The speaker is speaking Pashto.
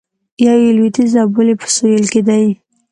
یو یې لویدیځ او بل یې په سویل کې دی.